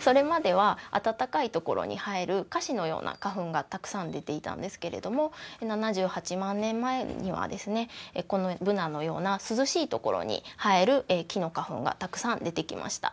それまでは暖かい所に生えるかしのような花粉がたくさん出ていたんですけれども７８万年前にはですねぶなのような涼しい所に生える木の花粉がたくさん出てきました。